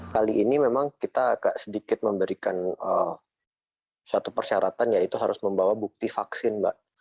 kali ini memang kita agak sedikit memberikan suatu persyaratan yaitu harus membawa bukti vaksin mbak